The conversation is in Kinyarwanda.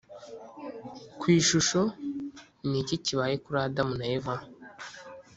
Ku ishusho ni iki kibaye kuri Adamu na Eva